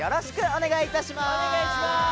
お願いします！